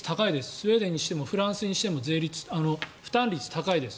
スウェーデンにしてもフランスにしても負担率、高いです。